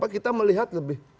kita melihat lebih